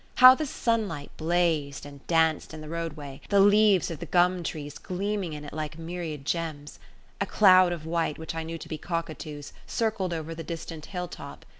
How the sunlight blazed and danced in the roadway the leaves of the gum trees gleaming in it like a myriad gems! A cloud of white, which I knew to be cockatoos, circled over the distant hilltop.